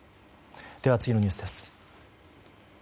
では次のニュースです。